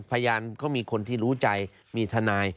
พยานก็มีคนที่รู้ใจมีทนาย